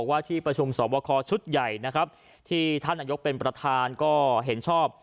ว่าที่ประชุมสอบคอชุดใหญ่นะครับที่ท่านนายกเป็นประธานก็เห็นชอบ